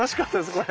これ。